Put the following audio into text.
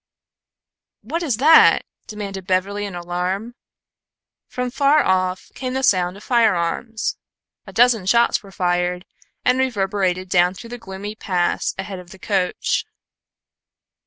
"What is that?" demanded Beverly in alarm. From far off came the sound of firearms. A dozen shots were fired, and reverberated down through the gloomy pass ahead of the coach.